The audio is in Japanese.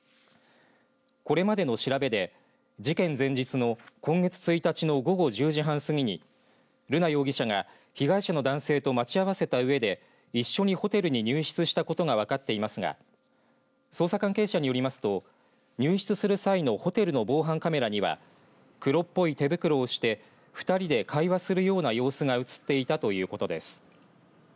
これまでの調べで事件前日の今月１日の午後１０時半過ぎに瑠奈容疑者が被害者の男性と待ち合わせたうえで一緒にホテルに入室したことが分かっていますが捜査関係者によりますと入室する際のホテルの防犯カメラには黒っぽい手袋をして２人で会話するような様子が写っていたということです。